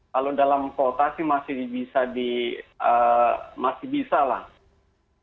kalau dalam kota sih masih bisa lah